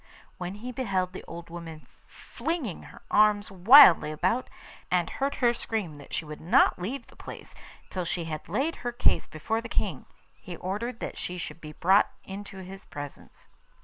When he beheld the old woman flinging her arms wildly about, and heard her scream that she would not leave the place till she had laid her case before the King, he ordered that she should be brought into his presence.